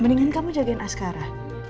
mendingan kamu jagain askara